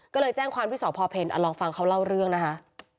ก็เลยแจ้งความที่สพเพลลองฟังเขาเล่าเรื่องนะคะ